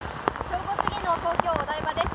正午すぎの東京・お台場です。